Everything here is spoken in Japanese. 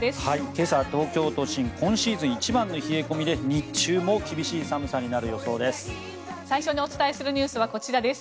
今朝、東京都心今シーズン一番の冷え込みで日中も厳しい寒さになる予想です。